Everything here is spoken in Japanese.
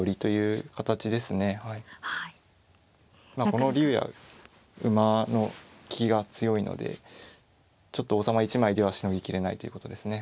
この竜や馬の利きが強いのでちょっと王様１枚ではしのぎきれないということですね。